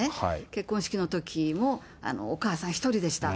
結婚式のときも、お母さん１人でした。